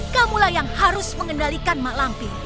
kamulah yang harus mengendalikan mak lampi